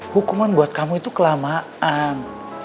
hukuman buat kamu itu kelamaan